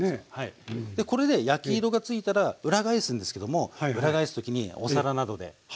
でこれで焼き色がついたら裏返すんですけども裏返す時にお皿などで受け止めて一度裏返し。